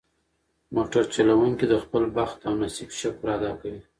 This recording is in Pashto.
موټر چلونکي د خپل بخت او نصیب شکر ادا کړ.